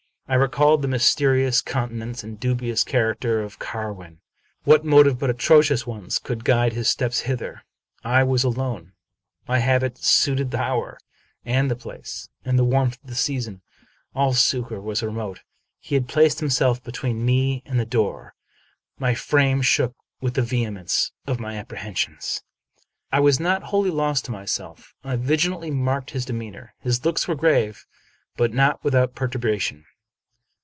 I recalled the mysterious countenance and dubious char acter of Carwin. What motive but atrocious ones could guide his steps hither? I was alone. My habit suited the hour, and the place, and the warmth of the season. All succor was remote. He had placed himself between me and the door. My frame shook with the vehemence of my ap prehensions. Yet I was not wholly lost to myself; I vigilantly marked his demeanor. His looks were grave, but not without per turbation.